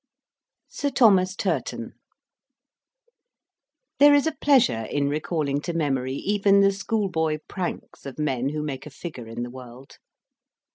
SIR THOMAS TURTON There is a pleasure in recalling to memory even the school boy pranks of men who make a figure in the world.